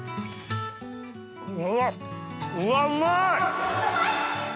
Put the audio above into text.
うわっうわうまい！